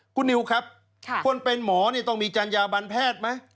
คุณนิวครับคนเป็นหมอนี่ต้องมีจัญญาบันแพทย์ไหม